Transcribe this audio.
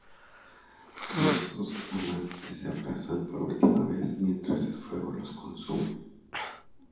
Los dos amantes se abrazan por última vez mientras el fuego los consume.